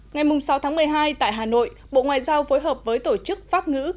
ngày sáu tháng một mươi hai tại hà nội bộ ngoại giao phối hợp với tổ chức pháp ngữ